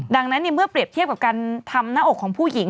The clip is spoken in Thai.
ดังนั้นเมื่อเปรียบเทียบกับการทำหน้าอกของผู้หญิง